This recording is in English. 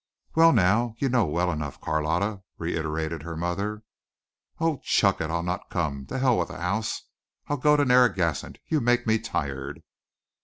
"Well now, you know well enough, Carlotta " reiterated her mother. "Oh, chuck it. I'll not come. To hell with the house. I'll go to Narragansett. You make me tired!"